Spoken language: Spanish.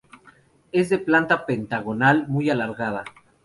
Es de planta pentagonal muy alargada.